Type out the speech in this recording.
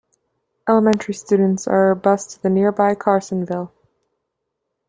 Elementary students are bused to nearby Carsonville.